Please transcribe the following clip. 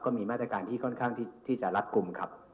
มีมาตรการที่ค่อนข้างที่จะรัดกลุ่มครับ